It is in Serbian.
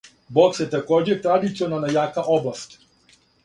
Бокс је такође традиционално јака област.